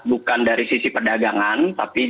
bukan dari sisi perdagangan